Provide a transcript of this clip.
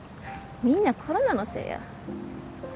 みんなコロナのせいや。